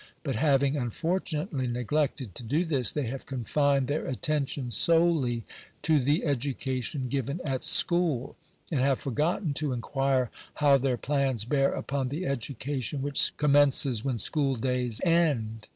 But haying unfortunately neglected to do this, they have confined their attention solely to the education given at school, and have forgotten to inquire how their plans bear upon the education which commences when school days end.